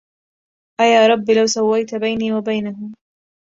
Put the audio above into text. أيا رب لو سويت بيني وبينه